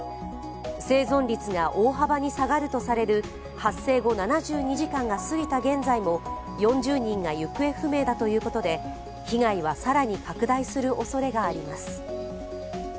生存率が大幅に下がるとされる発生後７２時間が過ぎた現在も４０人が行方不明だということで、被害は更に拡大するおそれがあります。